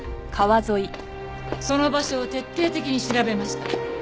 その場所を徹底的に調べました。